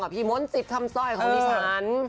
ของพี่มนต์ซิทร์ทำสร้อยของนี่ฉัน